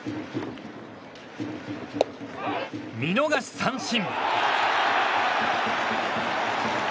見逃し三振。